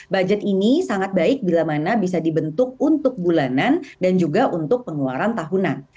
budget ini sangat baik bila mana bisa dibentuk untuk bulanan dan juga untuk pengeluaran tahunan